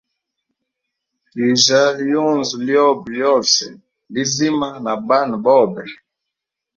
Kijya yunzu lyobe lyose lizima na bana bobe.